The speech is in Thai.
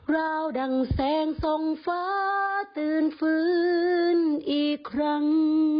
ราวดั่งแสงทรงฟ้าตื่นฟื้นอีกครั้ง